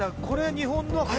これ日本の。